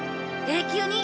永久に！